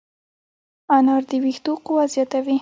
انار د ویښتو قوت زیاتوي.